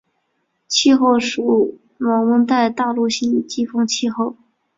气候属暖温带大陆性季风气候。